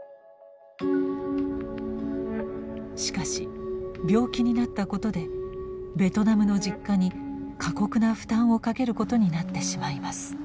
しかし病気になったことでベトナムの実家に過酷な負担をかけることになってしまいます。